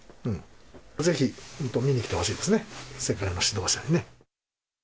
ぜひ本当、見に来てほしいですね、世界の指導者にね。